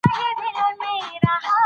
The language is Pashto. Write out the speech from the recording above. ملا هره ورځ ستړی راځي.